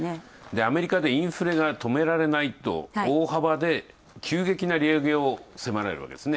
アメリカでインフレが止められないと大幅で急激な利上げを迫られるわけですね。